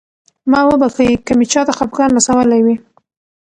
ما وبښئ که مې چاته خفګان رسولی وي.